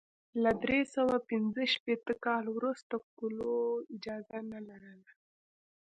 له درې سوه پنځه شپېته کال وروسته کلو اجازه نه لرله.